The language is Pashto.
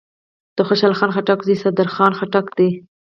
دخوشحال خان خټک زوی صدرخان خټک دﺉ.